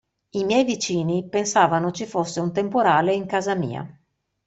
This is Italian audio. I miei vicini pensavano ci fosse un temporale in casa mia.